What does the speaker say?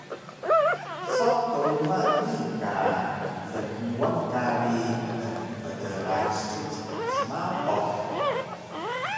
Saw truma nii ka lnmuan kari emptgasuc smapuh